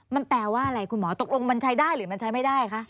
มันแปลว่าอะไรคุณหมอตกลงมันใช้ได้หรือมันใช้ไม่ได้คะ